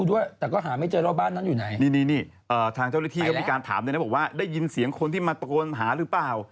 ว่าถามเขาก็มีการถามนะยินเสียงคนที่มาโตนหาหรือเปล่า